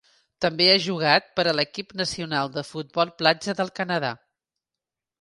També ha jugat per a l'equip nacional de futbol platja del Canadà.